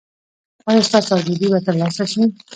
ایا ستاسو ازادي به ترلاسه شي؟